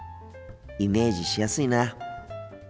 イメージしやすいな。